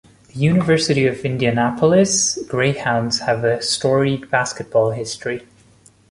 The University of Indianapolis Greyhounds have a storied basketball history.